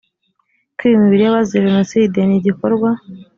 kwiba imibiri y abazize jenoside ni igikorwa